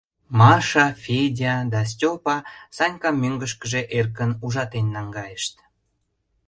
Маша, Федя да Степа Санькам мӧҥгышкыжӧ эркын ужатен наҥгайышт.